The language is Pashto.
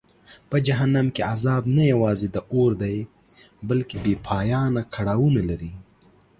په جهنم کې عذاب نه یوازې د اور دی بلکه بېپایانه کړاوونه لري.